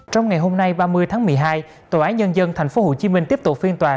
trong ngày hôm nay ba mươi tháng một mươi hai tòa án nhân dân tp hcm tiếp tục phiên tòa